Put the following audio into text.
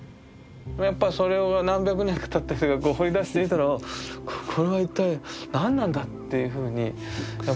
やっぱそれを何百年かたって掘り出してみたらこれは一体何なんだっていうふうにやっぱり。